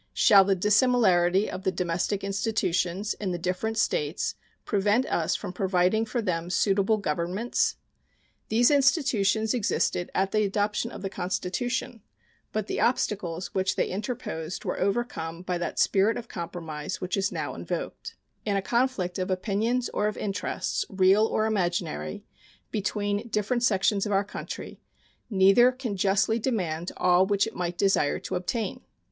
Shall the dissimilarity of the domestic institutions in the different States prevent us from providing for them suitable governments? These institutions existed at the adoption of the Constitution, but the obstacles which they interposed were overcome by that spirit of compromise which is now invoked. In a conflict of opinions or of interests, real or imaginary, between different sections of our country, neither can justly demand all which it might desire to obtain.